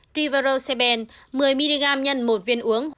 trivaroseben một mươi mg x một viên uống